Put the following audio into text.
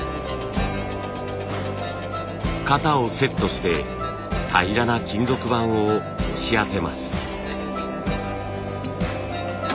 型をセットして平らな金属板を押し当てます。